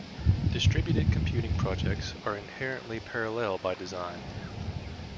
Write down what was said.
Distributed computing projects are inherently parallel by design.